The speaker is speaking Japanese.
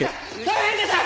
大変です！